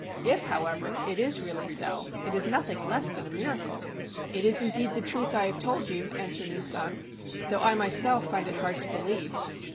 If, however, it is really so, it is nothing less than a miracle." "It is indeed the truth I have told you," answered his son, "though I myself find it hard to believe."